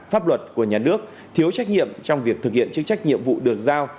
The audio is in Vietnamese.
pháp luật của nhà nước thiếu trách nhiệm trong việc thực hiện chức trách nhiệm vụ được giao